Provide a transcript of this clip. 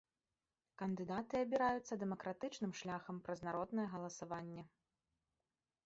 Кандыдаты абіраюцца дэмакратычным шляхам праз народнае галасаванне.